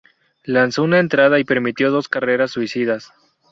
Lanzó una entrada y permitió dos carreras sucias.